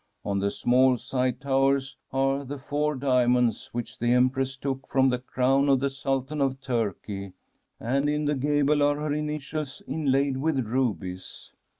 On the small side towers are the four diamonds which the Empress took from the crown of the Sultan of Turkey, and in the gable are her initials inlaid with rubies.